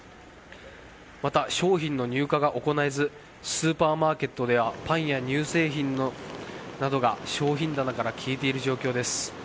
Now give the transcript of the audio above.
また、商品の入荷が行えず、スーパーマーケットでは、パンや乳製品などが商品棚から消えている状況です。